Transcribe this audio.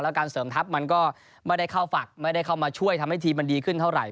การเสริมทัพมันก็ไม่ได้เข้าฝักไม่ได้เข้ามาช่วยทำให้ทีมมันดีขึ้นเท่าไหร